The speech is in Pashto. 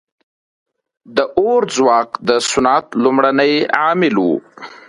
• د اور ځواک د صنعت لومړنی عامل و.